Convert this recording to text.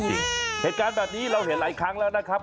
เหตุการณ์แบบนี้เราเห็นหลายครั้งแล้วนะครับ